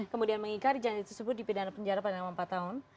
kemudian mengikari janji tersebut di pidana penjara pada umur empat tahun